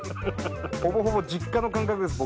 ほぼほぼ実家の感覚です